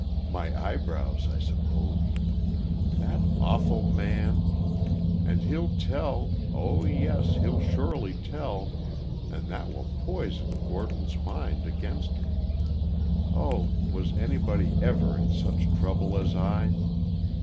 My eyebrows, I suppose. That awful man! And he'll tell—oh, yes, he'll surely tell—and that will poison Gordon's mind against me—oh, was anybody ever in such trouble as I?"